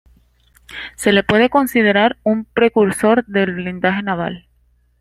Se le puede considerar un precursor del blindaje naval.